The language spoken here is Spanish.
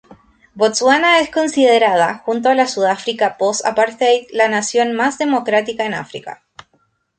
Botsuana es considerada, junto a la Sudáfrica post-apartheid, la nación más democrática en África.